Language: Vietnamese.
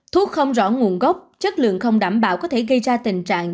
thuốc không rõ nguồn gốc chất lượng không đảm bảo có thể gây ra tình trạng